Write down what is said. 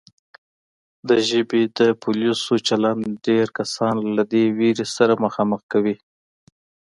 د ژبې د پولیسو چلند ډېر کسان له دې وېرې سره مخامخ کوي